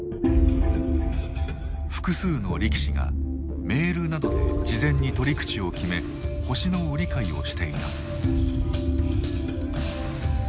複数の力士がメールなどで事前に取り口を決め星の売り買いをしていた。